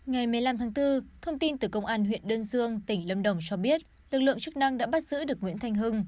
hãy đăng ký kênh để ủng hộ kênh của chúng mình nhé